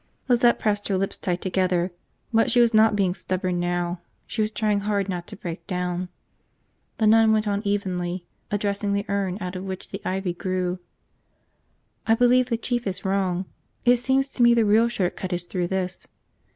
Lizette pressed her lips tight together. But she was not being stubborn now, she was trying hard not to break down. The nun went on evenly, addressing the urn out of which the ivy grew. "I believe the Chief is wrong. It seems to me the real short cut is through this."